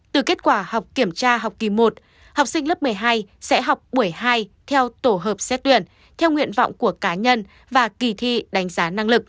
từ kết quả học kiểm tra học kỳ một học sinh lớp một mươi hai sẽ học buổi hai theo tổ hợp xét tuyển theo nguyện vọng của cá nhân và kỳ thi đánh giá năng lực